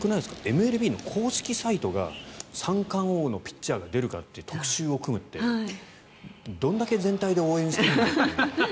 ＭＬＢの公式サイトが三冠王のピッチャーが出るかという特集を組むってどんだけ全体で応援してるんだっていう。